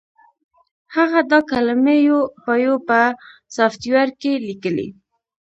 هغه دا کلمې یو په یو په سافټویر کې لیکلې